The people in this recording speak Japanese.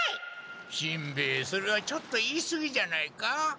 しんべヱそれはちょっと言いすぎじゃないか？